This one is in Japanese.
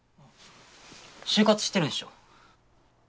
就活してるでしょ？